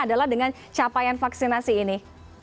adalah dengan capaian vaksinasi ini